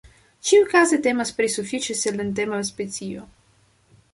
Ĉiukaze temas pri sufiĉe silentema specio.